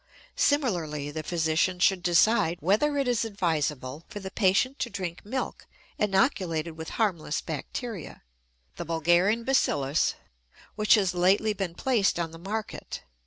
Similarly, the physician should decide whether it is advisable for the patient to drink milk inoculated with harmless bacteria (The Bulgarian Bacillus) which has lately been placed on the market.